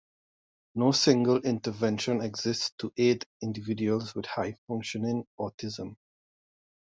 No single intervention exists to aid individuals with high-functioning autism.